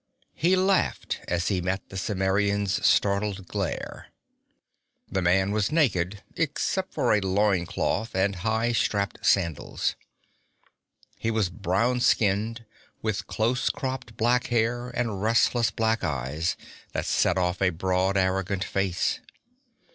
He laughed as he met the Cimmerian's startled glare. This man was naked except for a loin cloth and high strapped sandals. He was brown skinned, with close cropped black hair and restless black eyes that set off a broad, arrogant face.